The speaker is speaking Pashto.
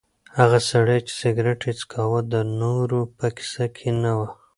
هغه سړی چې سګرټ یې څکاوه د نورو په کیسه کې نه و.